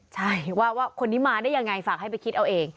ใช่ว่าคนนี้มาได้ยังไงฝากให้ไปคิดเอาเอง